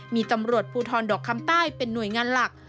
มีตำรวจภูทรดอกคำใต้เป็นหน่วยงานหลัก